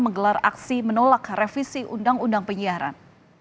menggelar aksi menolak revisi undang undang penyiaran